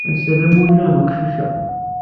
Ass-a d amulli n uqcic-a.